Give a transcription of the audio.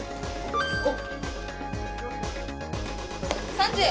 ３０！